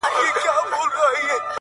ما ويل څه به ورته گران يمه زه ـ